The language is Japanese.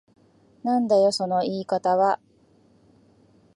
なんだよその言い方は。